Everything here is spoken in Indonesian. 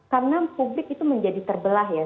karena publik itu menjadi terbelah ya